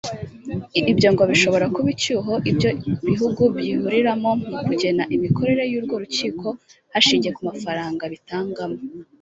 Ibyo ngo bishobora kuba icyuho ibyo bihugu byuririraho mu kugena imikorere y’urwo rukiko hashingiwe ku mafaranga bitangamo